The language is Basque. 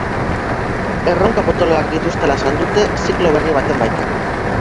Erronka potoloak dituztela esan dute, ziklo berri baten baitan.